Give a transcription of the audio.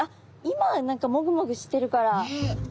今何かもぐもぐしてるから。